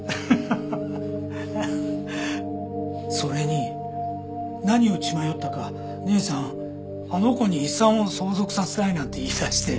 それに何を血迷ったか姉さんあの子に遺産を相続させたいなんて言い出して。